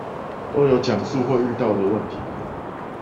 都有講述會遇到的問題